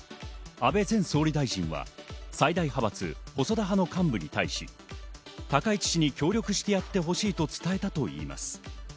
安倍前総理大臣は最大派閥・細田派の幹部に対し、高市氏に協力してやってほしいと伝えたといいます。